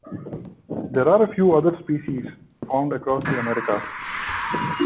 There are a few other species found across the Americas.